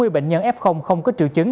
bốn mươi bệnh nhân f không có triệu chứng